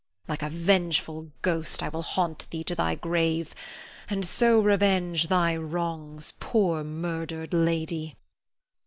Like a vengeful ghost I will haunt thee to thy grave, and so revenge thy wrongs, poor, murdered lady.